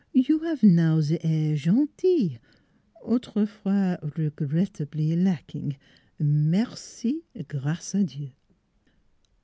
You 'ave now ze air gentil autrefois regrettably lack ing merci, grace a Dieu!